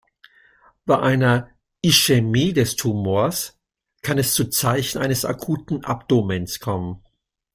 Bei einer Ischämie des Tumors kann es zu Zeichen eines akuten Abdomens kommen.